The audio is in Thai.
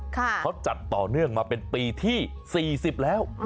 เขาจัดต่อเนื่องมาเป็นปีที่๔๐แล้ว